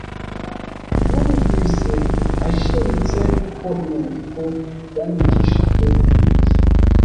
yumvise ashimitse ko inyandiko yandikishijwe intoki